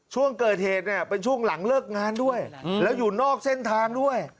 ช่วงเกิดเหตุเนี่ยเป็นช่วงหลังเลิกงานด้วยแล้วอยู่นอกเส้นทางด้วย